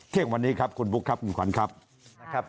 เที่ยงวันนี้ครับคุณปุ๊กครับคุณขวัญครับ